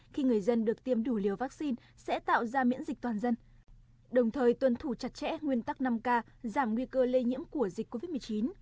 khi người dân được tiêm đủ liều vaccine sẽ tạo ra miễn dịch toàn dân đồng thời tuân thủ chặt chẽ nguyên tắc năm k giảm nguy cơ lây nhiễm của dịch covid một mươi chín